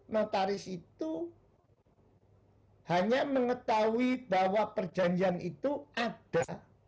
notaris itu hanya mengetahui bahwa perjanjian itu ada